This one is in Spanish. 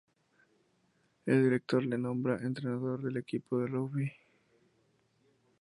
El director le nombra entrenador del equipo de rugby.